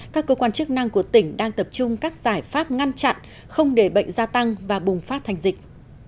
các cơ quan chức năng của tỉnh đang tập trung các giải pháp ngăn chặn không để bệnh gia tăng và bùng phát thành dịch